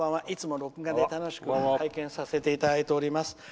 いつも録画で楽しく拝見させていただいております。